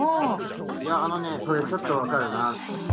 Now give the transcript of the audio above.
いやあのねそれちょっと分かるな。